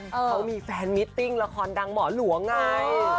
เขามีแฟนมิตติ้งละครดังหมอหลวงไง